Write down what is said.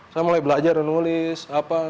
saya mulai belajar dan nulis